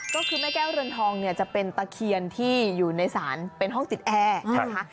ก็คือแม่แก้วเรือนทองเนี่ยจะเป็นตะเคียนที่อยู่ในศาลเป็นห้องติดแอร์นะคะ